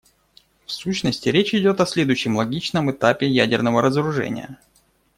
В сущности, речь идет о следующем логичном этапе ядерного разоружения.